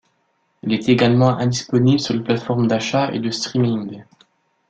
Il est également indisponible sur les plateformes d'achat et de streaming.